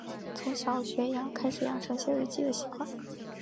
从小学开始养成写日记的习惯